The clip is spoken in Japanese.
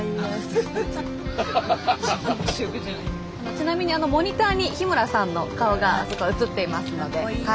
ちなみにモニターに日村さんの顔が映っていますので。